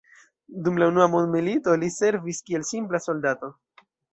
Dum la unua mondmilito li servis kiel simpla soldato.